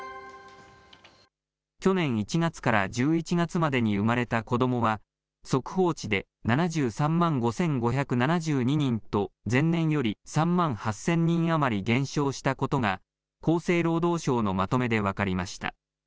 去年１月から１１月までに生まれた子どもは、速報値で７３万５５７２人と、前年より３万８０００人余り減少したことが、厚生労働省のまとめで分かりました。